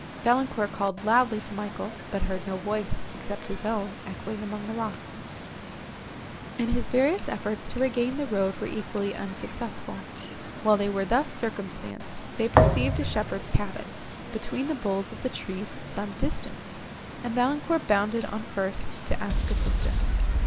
Valancourt called loudly to Michael, but heard no voice, except his own, echoing among the rocks, and his various efforts to regain the road were equally unsuccessful. While they were thus circumstanced, they perceived a shepherd's cabin, between the boles of the trees at some distance, and Valancourt bounded on first to ask assistance.